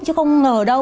chứ không ngờ đâu